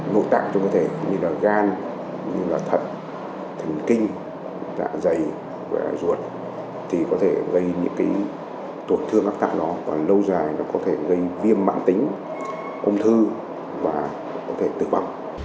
nội tạng trong cơ thể như là gan như là thận thần kinh dạ dày ruột thì có thể gây những cái tổn thương mắc thận đó còn lâu dài nó có thể gây viêm mạng tính ung thư và có thể tử vong